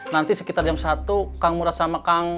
nanti sekitar jam satu kang mura sama kang